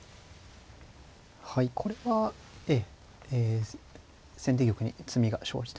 はいこれはええ先手玉に詰みが生じてますね。